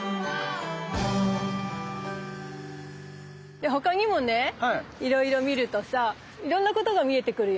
で他にもねいろいろ見るとさいろんなことが見えてくるよ。